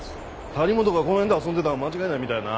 谷本がこの辺で遊んでたんは間違いないみたいやな。